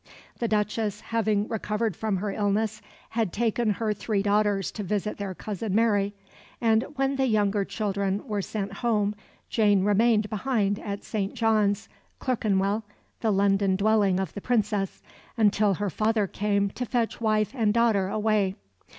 The Duchess, having recovered from her illness, had taken her three daughters to visit their cousin Mary, and when the younger children were sent home Jane remained behind at St. John's, Clerkenwell, the London dwelling of the Princess, until her father came to fetch wife and daughter away.